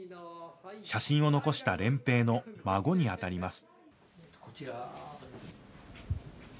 写真を残した漣平の孫にあたります。